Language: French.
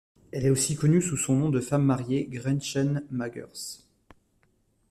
Elle est aussi connue sous son nom de femme mariée, Gretchen Magers.